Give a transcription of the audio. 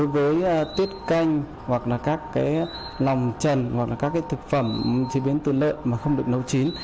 với tiết canh hoặc là các cái lòng chân hoặc là các cái thực phẩm chế biến tuần lợn mà không được nấu chín